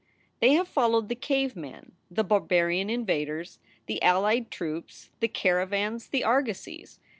They have followed the cave men, the barbarian in vaders, the allied troops, the caravans, the argosies.